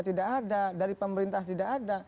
tidak ada dari pemerintah tidak ada